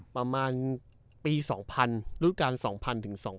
ประมาณปี๒๐๐๐รุศการ๒๐๐๐ถึง๒๐๐๑